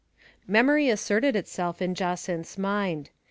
Memory asserted herself in Jacynth's mind.